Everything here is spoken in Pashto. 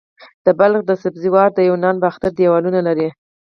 د بلخ د سبزې وار د یوناني باختر دیوالونه لري